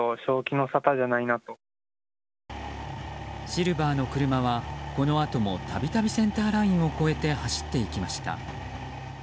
シルバーの車はこのあともたびたびセンターラインを越えて走っていきました。